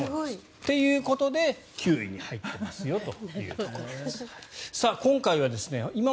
ということで９位に入ってますと。